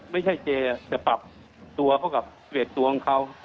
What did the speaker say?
ไม่ใช่เจจะปรับตัวเข้ากับเวทตัวของเขา